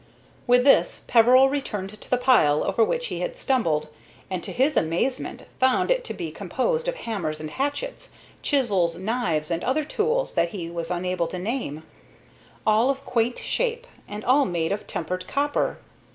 With this Peveril returned to the pile over which he had stumbled, and to his amazement found it to be composed of hammers and hatchets, chisels, knives, and other tools that he was unable to name, all of quaint shape, and all made of tempered copper.